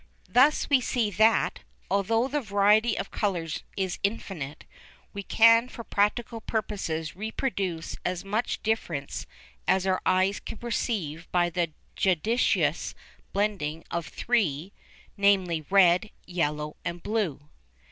Thus we see that, although the variety of colours is infinite, we can for practical purposes reproduce as much difference as our eyes can perceive by the judicious blending of three namely, red, yellow and blue.